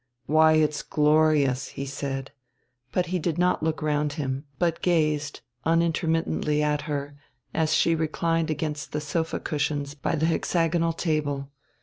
"Why, it's glorious," he said. But he did not look round him, but gazed unintermittently at her, as she reclined against the sofa cushions by the hexagonal table.